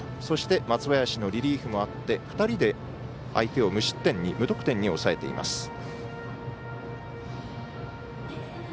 そして、松林のリリーフもあって２人で相手を無得点に抑えています。